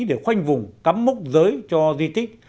để khoanh vùng cắm mốc giới cho di tích